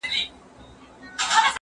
زه بايد پلان جوړ کړم،